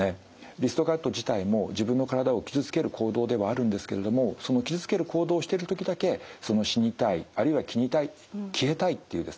リストカット自体も自分の体を傷つける行動ではあるんですけれどもその傷つける行動をしてる時だけその死にたいあるいは切りたい消えたいっていうですね